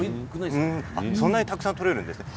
そんなにたくさん取れるんですね。